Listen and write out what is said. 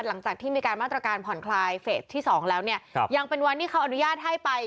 หลังจากที่มีการมาตรการผ่อนคลายเฟสที่สองแล้วเนี่ยครับยังเป็นวันที่เขาอนุญาตให้ไป